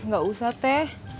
gak usah teh